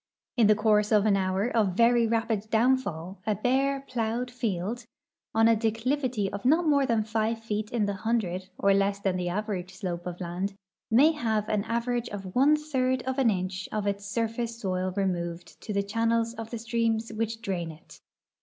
In the course of an hour of very rapid downfall a hare, plowed field, on a declivity of not more than five feet in the hundred, or less than the average slo])e of land, may have an average of one third of an inch of its sur face soil removed to the channels of the streams which drain it.